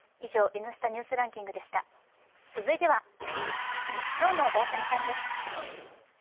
続いては、今日の大谷さんです。